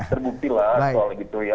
terbukti lah soal itu ya